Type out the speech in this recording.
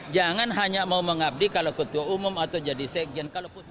jangan hanya mau mengabdi kalau ketua umum atau jadi sekjen